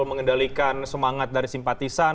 mengendalikan semangat dari simpatisan